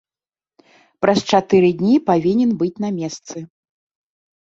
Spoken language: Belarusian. Праз чатыры дні павінен быць на месцы.